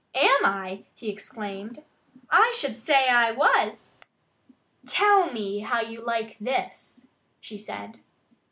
"Am I?" he exclaimed. "I should say I was!" "Then tell me how you like this," she said.